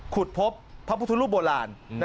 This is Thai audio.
ปลูกมะพร้าน้ำหอมไว้๑๐ต้น